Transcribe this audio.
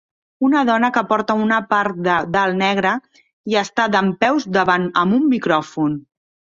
Una dona que porta una part de dalt negra i està dempeus davant amb un micròfon.